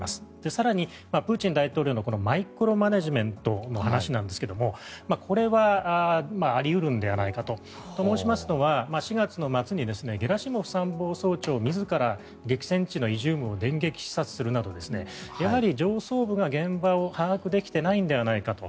更にプーチン大統領のマイクロマネジメントの話ですがこれはあり得るのではないかと。と、申しますのは４月末にゲラシモフ参謀総長自ら激戦地のイジュームを電撃視察するなどやはり上層部が現場を把握できていないのではないかと。